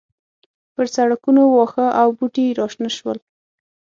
پر سړکونو واښه او بوټي راشنه شول.